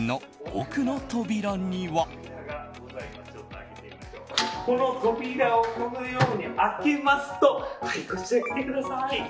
この扉をこのように開けますとはい、こちら来てください！